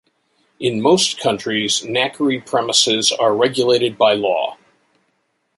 In most countries, knackery premises are regulated by law.